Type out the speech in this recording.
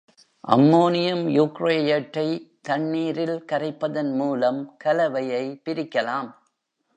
Ammonium யூக்ரோயேட்டை தண்ணீரில் கரைப்பதன் மூலம் கலவையை பிரிக்கலாம்.